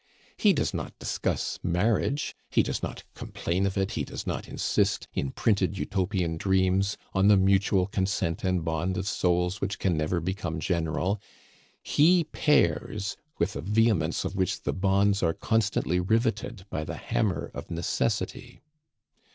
He does not discuss marriage; he does not complain of it; he does not insist, in printed Utopian dreams, on the mutual consent and bond of souls which can never become general; he pairs with a vehemence of which the bonds are constantly riveted by the hammer of necessity.